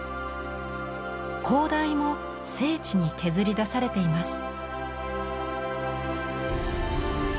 高台も精緻に削り出されています。